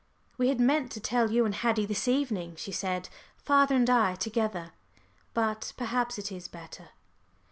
"We had meant to tell you and Haddie this evening," she said, "father and I together; but perhaps it is better.